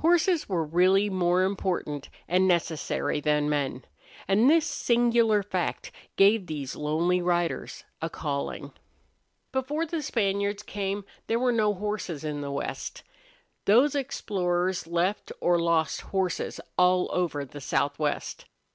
Horses were really more important and necessary than men; and this singular fact gave these lonely riders a calling. Before the Spaniards came there were no horses in the West. Those explorers left or lost horses all over the southwest.